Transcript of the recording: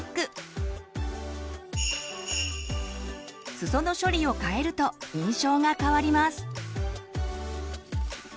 すその処理を変えると印象が変わります。